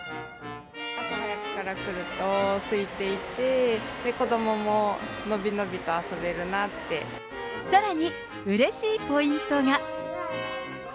朝早くから来るとすいていて、さらに、うれしいポイントが。